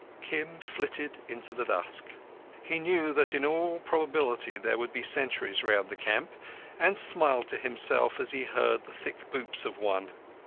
Kim flitted into the dusk. He knew that in all probability there would be sentries round the camp, and smiled to himself as he heard the thick boots of one.